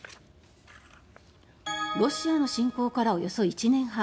ロシアの侵攻からおよそ１年半。